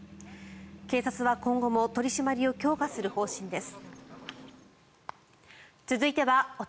警察は今後も取り締まりを強化する方針です。